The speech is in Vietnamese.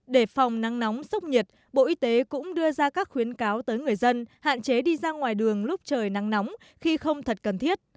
để phòng nắng nóng sốc nhiệt bộ y tế cũng đưa ra các khuyến cáo tới người dân hạn chế đi ra ngoài đường lúc trời nắng nóng khi không thật cần thiết